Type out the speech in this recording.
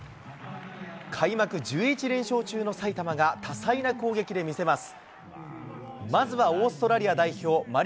開幕１１連勝中の埼玉が多彩な攻撃で見せます。